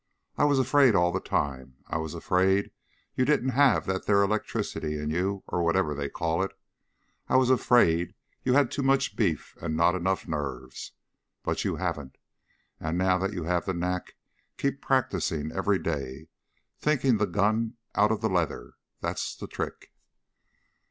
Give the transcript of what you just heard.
I was afraid all the time. I was afraid you didn't have that there electricity in you or whatever they call it. I was afraid you had too much beef and not enough nerves. But you haven't. And now that you have the knack, keep practicing every day thinking the gun out of the leather that's the trick!"